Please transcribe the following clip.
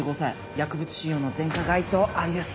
薬物使用の前科該当ありです。